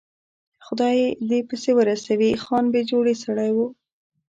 خدای یې دې پسې ورسوي، خان بې جوړې سړی و.